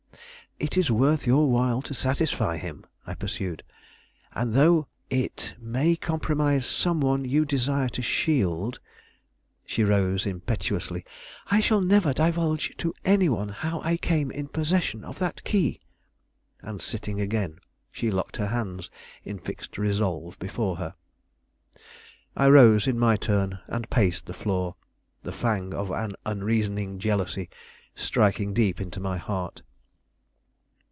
"It is worth your while to satisfy him," I pursued; "and though it may compromise some one you desire to shield " She rose impetuously. "I shall never divulge to any one how I came in possession of that key." And sitting again, she locked her hands in fixed resolve before her. I rose in my turn and paced the floor, the fang of an unreasoning jealousy striking deep into my heart.